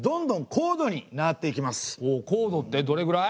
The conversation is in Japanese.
高度ってどれぐらい？